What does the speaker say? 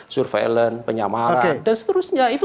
surveillance penyamaran dan seterusnya